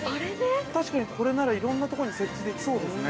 確かに、これならいろんなとこに設置できそうですね。